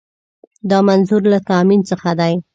دا منظور له تامین څخه دی.